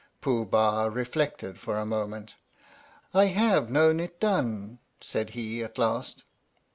Pooh Bah reflected for a moment :" I have known it done," said he at last.